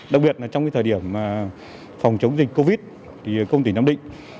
đặc biệt trong thời điểm phòng chống dịch covid một mươi chín công an tỉnh nam định